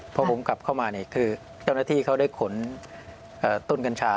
พอผมกลับเข้ามาคือเจ้านัทธิเขาได้ขนต้นกัญชา